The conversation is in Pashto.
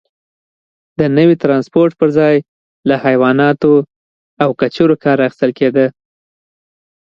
د نوي ټرانسپورت پرځای له حیواناتو او کچرو کار اخیستل کېده.